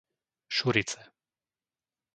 Šurice